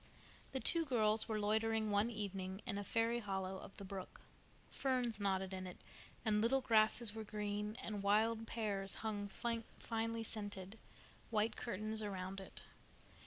The two girls were loitering one evening in a fairy hollow of the brook. Ferns nodded in it, and little grasses were green, and wild pears hung finely scented, white curtains around it.